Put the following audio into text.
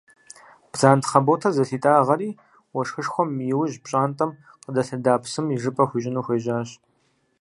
Бдзантхьэ ботэр зылъитӏагъэри уэшхышхуэм иужь пщӏантӏэм къыдэлъэда псым ижыпӏэ хуищӏыну хуежьащ.